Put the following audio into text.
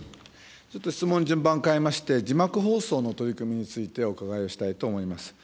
ちょっと質問の順番を変えまして、字幕放送の取り組みについてお伺いをしたいと思います。